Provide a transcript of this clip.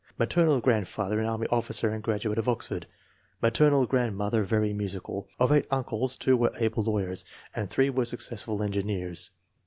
Ma ternal grandfather an army officer and graduate of Oxford. Maternal grandmother very musical. Of eight uncles, two were able lawyers, and three were successful engineers.